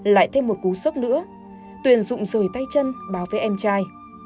lại thêm một cú sức nữa tuyển rụng rời tay chân bảo vệ em trai